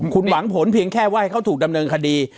คุณหวังผลเพียงแค่ว่าให้เขาถูกดำเนินคดี